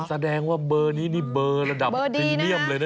แสดงว่าเบอร์นี้นี่เบอร์ระดับพรีเมียมเลยนะ